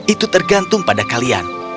itu tergantung pada kalian